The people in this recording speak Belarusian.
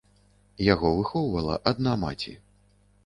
Яго выхоўвала адна маці.